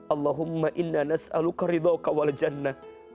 allahumma innanas alukaridhau kawal jannah